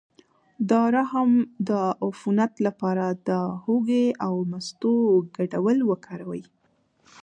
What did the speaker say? د رحم د عفونت لپاره د هوږې او مستو ګډول وکاروئ